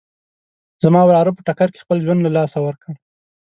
زما وراره په ټکر کې خپل ژوند له لاسه ورکړ